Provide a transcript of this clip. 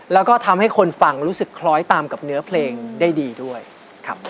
แล้วก็ทำให้คนฟังรู้สึกคล้อยตามกับเนื้อเพลงได้ดีด้วยครับ